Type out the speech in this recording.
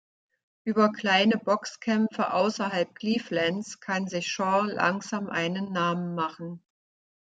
Über kleine Boxkämpfe außerhalb Clevelands kann sich Shaw langsam einen Namen machen.